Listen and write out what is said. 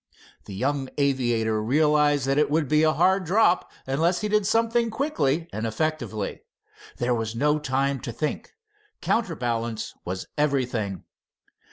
The young aviator realized that it would be a hard drop unless he did something quickly and effectively. There was no time to think. Counterbalance was everything.